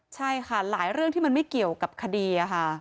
ใช่ค่ะหลายเรื่องที่มันไม่เกี่ยวกับคดีค่ะ